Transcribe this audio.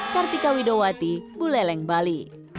terima kasih telah datang ke sini